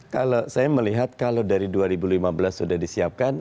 kalau saya melihat kalau dari dua ribu lima belas sudah disiapkan